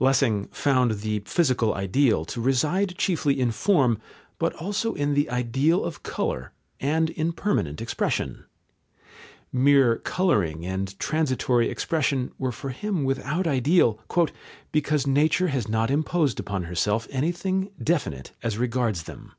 Lessing found the physical ideal to reside chiefly in form, but also in the ideal of colour, and in permanent expression. Mere colouring and transitory expression were for him without ideal, "because nature has not imposed upon herself anything definite as regards them."